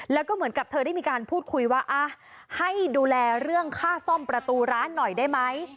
แล้วก็เหมือนกับเธอได้มีการพูดคุยว่าให้ดูแลเรื่องค่าซ่อมประตูร้านหน่อยได้ไหม